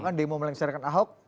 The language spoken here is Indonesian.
bahkan demo melengsarkan ahok